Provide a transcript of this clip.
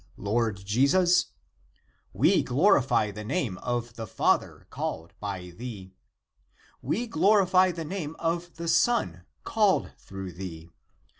Lord Jesus? We ACTS OF JOHN 191 glorify the name of the Father called by thee. We glorify the name of the Son called through thee.